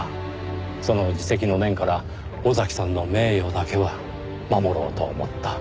その自責の念から尾崎さんの名誉だけは守ろうと思った。